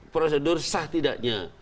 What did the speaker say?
prosedur sah tidaknya